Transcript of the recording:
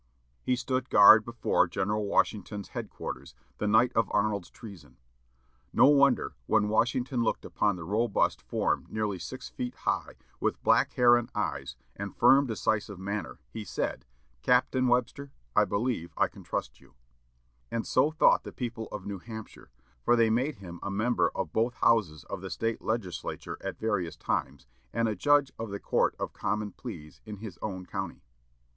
He stood guard before General Washington's headquarters, the night of Arnold's treason. No wonder, when Washington looked upon the robust form nearly six feet high, with black hair and eyes, and firm decisive manner, he said, "Captain Webster, I believe I can trust you." And so thought the people of New Hampshire, for they made him a member of both Houses of the State Legislature at various times, and a Judge of the Court of Common Pleas in his own county.